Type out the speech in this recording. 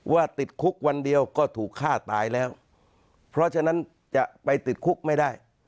ว่าติดคุกวันเดียวก็ถูกฆ่าตายแล้วเพราะฉะนั้นจะไปติดคุกไม่ได้